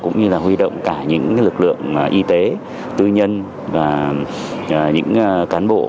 cũng như là huy động cả những lực lượng y tế tư nhân và những cán bộ